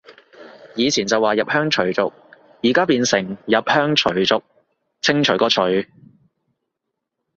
以前就話入鄉隨俗，而家變成入鄉除族，清除個除